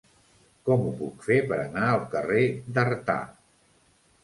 Com ho puc fer per anar al carrer d'Artà?